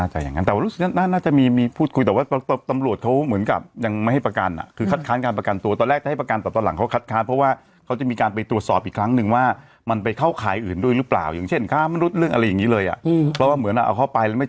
หนูก็ยังนั่งใส่แมสว่ะนี่ฉันลืมตัว